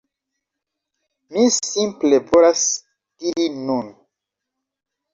Mi simple volas diri nun